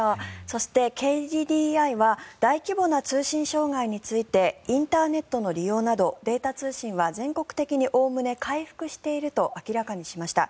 そして、ＫＤＤＩは大規模な通信障害についてインターネットの利用などデータ通信は全国的におおむね回復していると明らかにしました。